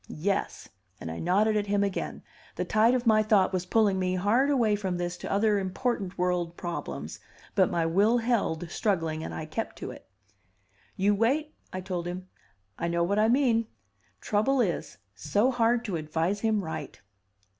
Yes." And I nodded at him again. The tide of my thought was pulling me hard away from this to other important world problems, but my will held, struggling, and I kept to it. "You wait," I told him. "I know what I mean. Trouble is, so hard to advise him right."